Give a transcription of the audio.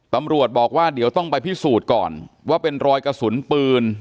ตำรวจบอกว่าเดี๋ยวต้องไปพิสูจน์ก่อนว่าเป็นรอยกระสุนปืน